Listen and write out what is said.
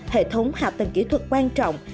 hệ thống hạ tầng kỹ thuật quan trọng